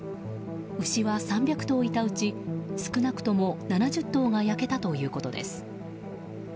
牛は３００頭いたうち少なくとも７０頭が焼けたということです。